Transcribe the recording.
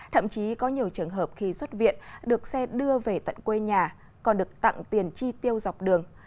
thậm chí có nhiều trường hợp khi xuất viện được xe đưa về tận quê nhà còn được tặng tiền chi tiêu dọc đường